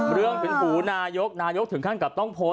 ถึงหูนายกนายกถึงขั้นกับต้องโพสต์